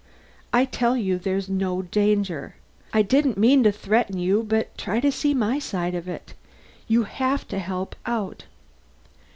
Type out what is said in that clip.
I tell you there's no danger. I didn't mean to threaten you but try to see my side of it. You have to help out!"